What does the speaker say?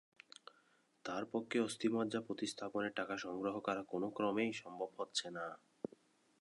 তাঁর পক্ষে অস্থিমজ্জা প্রতিস্থাপনের টাকা সংগ্রহ করা কোনোক্রমেই সম্ভব হচ্ছে না।